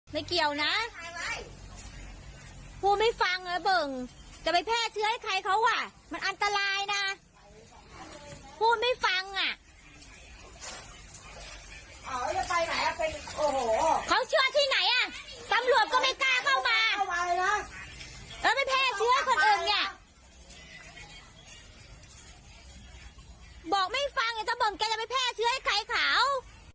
บอกไม่ฟังเนี่ยตะเบิ่งแกจะไปแพร่เชื้อให้ใครข่าว